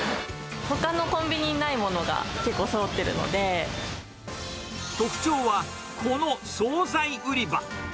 ほかのコンビニにないものが特徴は、この総菜売り場。